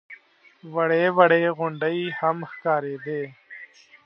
وړې وړې غونډۍ هم ښکارېدې.